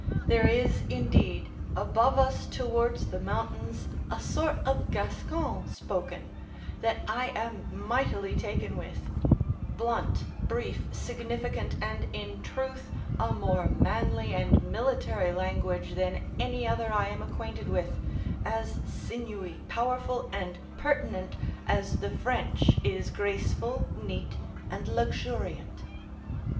There is, indeed, above us towards the mountains a sort of Gascon spoken, that I am mightily taken with: blunt, brief, significant, and in truth a more manly and military language than any other I am acquainted with, as sinewy, powerful, and pertinent as the French is graceful, neat, and luxuriant.